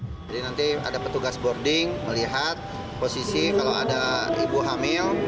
jadi nanti ada petugas boarding melihat posisi kalau ada ibu hamil